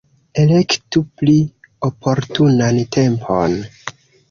Elektu pli oportunan tempon.